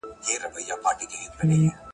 هره تجربه د پوهېدو نوی اړخ پرانیزي،